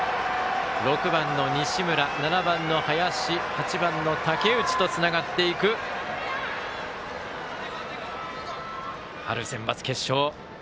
６番の西村、７番の林８番の竹内とつながっていく春センバツ決勝。